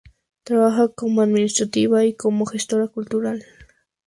Trabaja como administrativa y como gestora cultural.